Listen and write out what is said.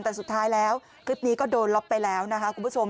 แต่สุดท้ายแล้วคลิปนี้ก็โดนล็อกไปแล้วนะคะคุณผู้ชม